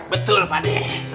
betul pak de